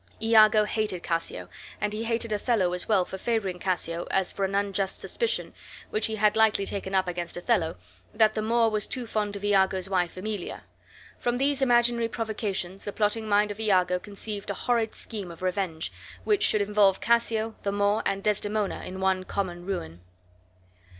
Iago hated Cassio, and he hated Othello as well for favoring Cassio as for an unjust suspicion, which he had lightly taken up against Othello, that the Moor was too fond of Iago's wife Emilia. From these imaginary provocations the plotting mind of Iago conceived a horrid scheme of revenge, which should involve Cassio, the Moor, and Desdemona in one common ruin.